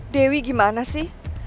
dewi gimana sih